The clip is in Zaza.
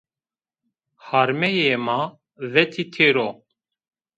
Harmeyê ma vetî têro